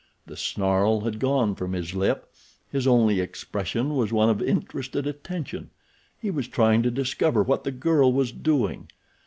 The snarl had gone from his lip. His only expression was one of interested attention—he was trying to discover what the girl was doing.